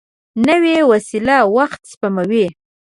نوې وسېله وخت سپموي